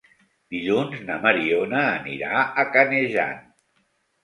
Dilluns na Mariona anirà a Canejan.